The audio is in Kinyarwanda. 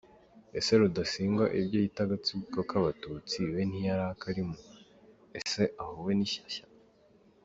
Ese Rudasingwa ibyo yita agatsiko k’abatutsi we ntiyari akarimo, ese aho we nishyashya !